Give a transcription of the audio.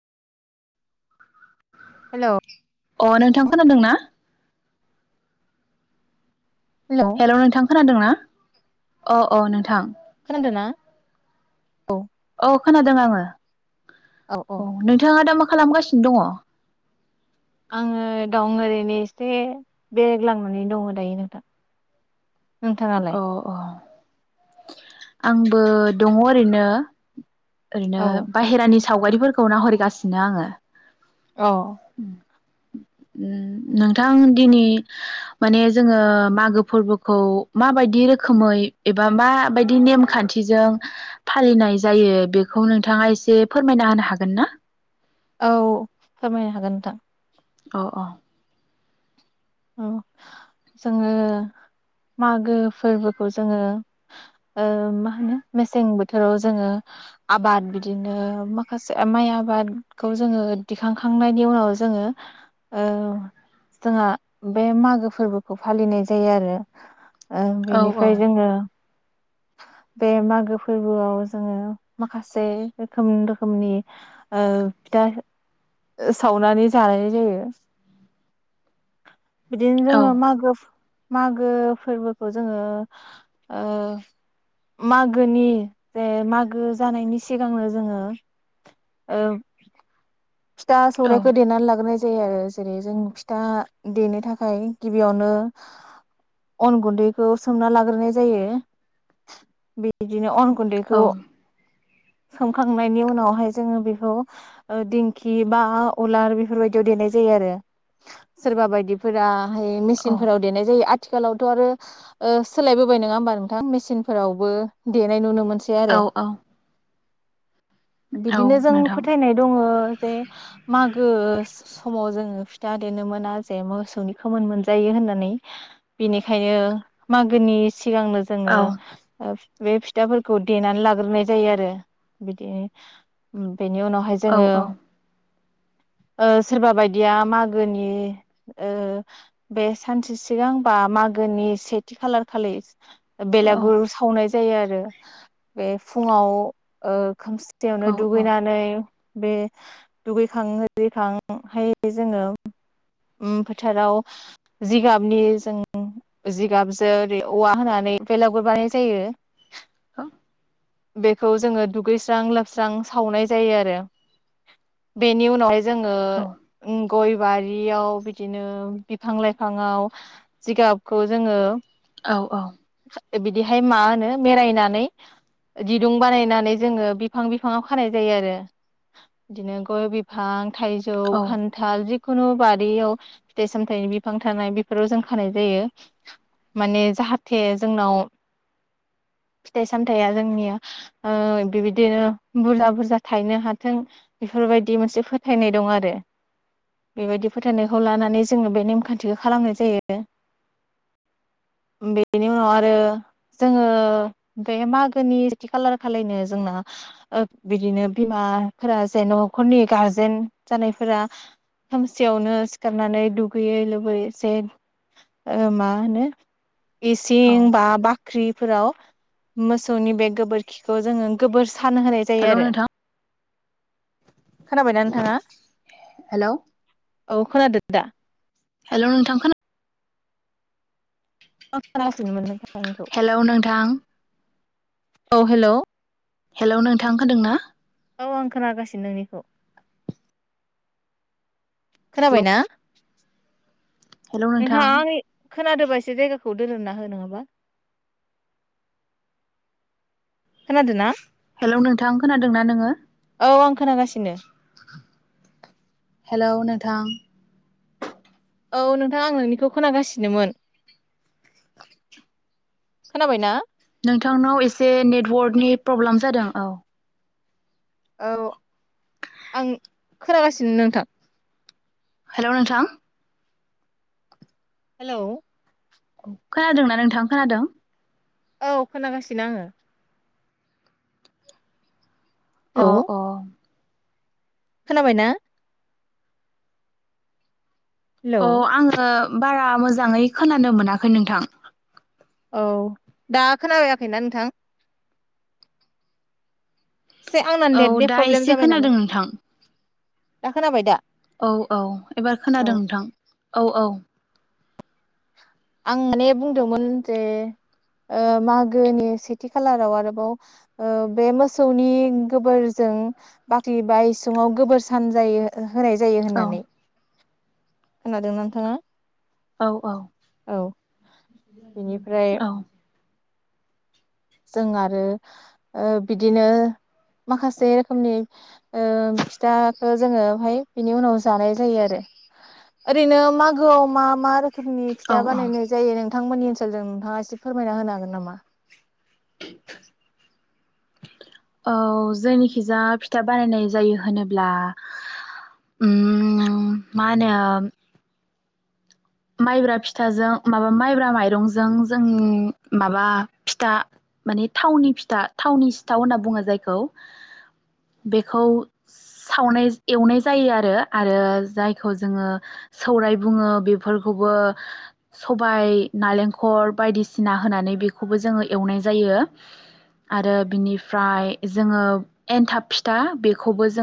Hello अ नोंथां खोनादोंना? [inaudible] हेल' नोंथां। खोनादोंना? अ अ नोंथां। [unintelligible] औ अ खोनादों आङो। औ नोंथाङा दा मा खालामगासिनो दङ। आङो दं ओरैनो एसे बेरायग्लांनानै दङ दायो नोंथां। नोंथाङालाय? अ औ। आंबो दङ ओरैनो। ओरैनो औ बाहेरानि सावगारिफोरखौ नाहरगासिनो आङो। औ नोंथां दिनि माने जोङो मागो फोरबोखौ माबायदि रोखोमै एबा माबायदि नेमखान्थिजों फालिनाय जायो बेखौ नोंथाङा एसे फोरमायना होनो हागोन ना? औ फोरमायनो हागोन नोंथां। अ अ। ओ जोङो मागो फोरबोखौ जोङो ओ मा होनो मेसें बोथोराव जोङो आबाद बिदिनो माखासे माइ आबादखौ जोङो दिखांखांनायनि उनाव जोङो ओ जोंहा बे मागो फोरबोखौ फालिनाय जायो आरो। ओं औ औ बेनिफ्राय जोङो बे मागो फोरबोआव जोङो माखासे रोखोम रोखोमनि ओ फिथा सावनानै जानाय जायो। बिदिनो औ जोङो मागो मागो फोरबोखौ जोङो ओ मागोनि जे मागो जानायनि सिगांनो जोङो ओ फिथा औ सौरायखौ देनानै लाग्रोनाय जायो आरो जेरै जों फिथा देनो थाखाय गिबियावनो अन गुन्दैखौ सोमना लाग्रोनाय जायो बे बिदिनो अन गुन्दैखौ औ सोमखांनायनि उनावहाय जोङो बेखौ दिं खि बा उलार बेफोरबायदियाव देनाय जायो आरो सोरबा बायदिफोरा औ मेसिनफोराव देनाय जायो थिखालावथ' आरो सोलायबोबाय नङा होमबा नोंथां मेसिनफोरावबो दे नाय नुनो मोनसै आरो। औ औ औ बिदिनो जों नोंथां फोथायनाय दङो। मागो समाव जोङो फिथा देनो मोना जे मोसौनि खोमोन मोनजायो होननानै बेनिखायनो मागोनि सिगांनो औ जोङो बे फिथाफोरखौ देनानै लाग्रोनाय जायो आरो बिदि उम। बेनि उनावहाय औ औ जोङो ओ सोरबा बायदिया मागोनि ओ बे सानसे सिगां बा मागोनि सेथि खालार खालि औ बेलागुर सावनाय जायो आरो बे फुुंआव ओ खोमसिथायावनो औ दुगैनानै बे दुगैखां ओरैखांहाय जोङो उम फोथाराव जिगाबनि जों जिगाबजों ओरै औवा होनानै बेलागुर बानायनाय जायो। [inaudible] बेखौ जोङो दुगैस्रां लोबस्रां सावनाय जायो आरो। बेनि उनावहाय जोङो औ उम गय बारियाव बिदिनो बिफां लाइफाङाव जिगाबखौ जोङो औ औ। बिदिहाय मा होनो मेरायनानै दिदुं बानायनानै जोङो बिफां बिफाङाव खानाय जायो आरो। बिदिनो गय बिफां थाइजौ औ खान्थाल जि खुनु बारियाव फिथाइ सामथाइनि बिफां थानाय बेफोराव जों खानाय जायो माने जाहाथे जोंनाव फिथाइ सामथाइया जोंनिया ओ बिबायदिनो बुरजा बुरजा थायनो हाथों। बेफोरबायदि मोनसे फोथायनाय दं आरो बेबायदि फोथायनायखौ लानानै जोङो बे नेमखान्थिखौ खालामनाय जायो बेनि उनाव आरो जोङो बे मागोनि थि खालार खालायनो जोंना ओ बिदिनो बिमाफोरा न'खरनि गारजेन जानायफोरा खोमसियावनो सिखारनानै दुगैयै लोबै जे ओ मा होनो इसिं औ बा बा ख्रिफोराव मोसौनि बे गोबोरखिखौ जोङो गोबोर थान होनाय जायो हेल' आरो। नोंथां खोनाबायना नोंथांङा। हेल' औ खोनादों दा? हेल' नोंथां खोना [unintelligible] नोंथां। हेल' नोंथां। औ हेल'। हेल' नोंथां खोनादोंना? औ आं खोनागासिनो नोंनिखौ। खोनाबायना? हेलौ नोंथां। खोनादोबा एसे जायगाखौ दोरोदना हो नोङाबा। खोनादोना? हेलौ नोंथां खोनादोंना नोङो। औ आं खोनागासिनो। हेलौ नोंथां। औ नोंथां आं नोंनिखौ खोनागासिनोमोन खोनाबाय ना? नोंथांनाव एसे नेटवार्कनि प्रब्लेम जादों औ। औ आं खोनागासिनो नोंथां। हेलौ नोंथां। हेलौ। खोनादोंना नोंथां खोनादों? औ खोनागासिनो आङो। औ हेलौ औ। खोनाबायना। हेलौ अ आङो बारा मोजाङै खोनानो मोनाखै नोंथां। औ दा खोनाबायाखैना नोंथां? एसे आंना औ नेटनि दा प्रब्लेम एसे जाबाय नामा खोनादों नोंथां। दा खोनाबाय दा? औ औ एबार औ खोनादों नोंथां। औ औ। आं माने बुंदोंमोन जे ओ मागोनि सेथि खालाराव आरोबाव ओ बे मोसौनि गोबोरजों बाख्रि बा इसुङाव गोबोर सान जायो। होनाय जायो औ होननानै। खोनादों ना नोंथाङा? औ औ। औ बिनिफ्राय औ जों आरो ओ बिदिनो माखासे रोखोमनि ओ फिथाखो जोङोहाय बिनि उनाव जानाय जायो आरो ओरैनो मागो आव मा मा रो खोमनि औ फिथा औ बानायनाय जायो नों नोंथांमोननि ओनसोलजों नोंथाङा एसे फोरमायना होनो हागोन नामा? औ जोंनिखिजा फिथा बानायनाय जायो होनोब्ला उम मा होनो? माइब्रा फिथाजों माबा माइब्रा माइरंजों जों माबा फिथा माने थावनि फिथा थावनि सिथाव होनना बुङो जायखौ बेखौ सावनाय एवनाय जायो आरो जायखौ जोङो सौराय बुङो बेफोरखौबो सबाय नालेंखर बायदिसिना होनानै बेखौबो जोङो एवनाय जायो आरो बिनिफ्राय जोङो एन्थाब फिथा बेखौबो जों